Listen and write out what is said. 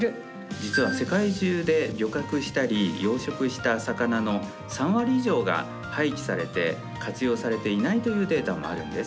実は世界中で漁獲したり養殖した魚の３割以上が廃棄されていて活用されていないというデータもあるんです。